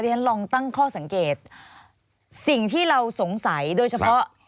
ฉันลองตั้งข้อสังเกตสิ่งที่เราสงสัยโดยเฉพาะ